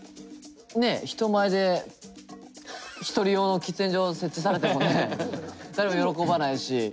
ねえ人前で一人用の喫煙所を設置されてもね誰も喜ばないし。